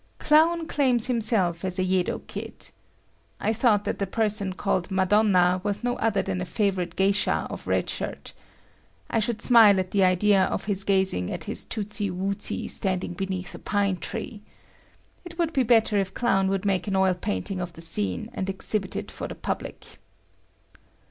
Clown claims himself as a Yedo kid. I thought that the person called Madonna was no other than a favorite geisha of Red Shirt. I should smile at the idea of his gazing at his tootsy wootsy standing beneath a pine tree. It would be better if Clown would make an oil painting of the scene and exhibit it for the public.